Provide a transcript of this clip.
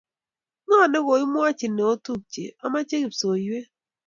ng'o nekoimwachi ne otupche omache kipsoiywet